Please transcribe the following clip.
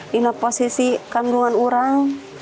lihat posisi kandungan orang